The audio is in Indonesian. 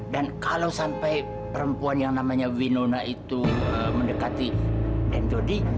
dan kalau sampai perempuan yang namanya winona itu mendekati dan jody